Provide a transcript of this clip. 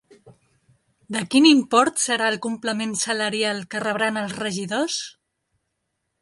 De quin import serà el complement salarial que rebran els regidors?